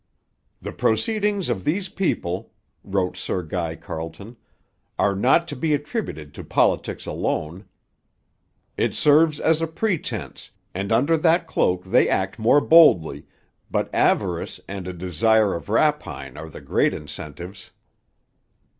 'The proceedings of these people,' wrote Sir Guy Carleton, 'are not to be attributed to politics alone it serves as a pretence, and under that cloak they act more boldly, but avarice and a desire of rapine are the great incentives.'